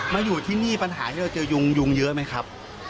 มาอยู่ที่นี่ปัญหาที่เราเจอยุงยุงเยอะไหมครับ